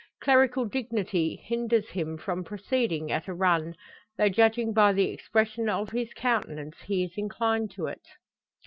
Clerical dignity hinders him from proceeding at a run, though judging by the expression of his countenance he is inclined to it.